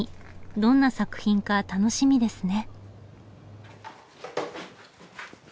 どんな作品か楽しみですね。